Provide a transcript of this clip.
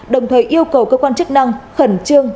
đồng thời yêu cầu cơ quan chức năng khẩn trương